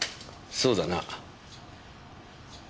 そうだな。